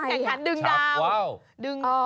แข่งขันดึงดาว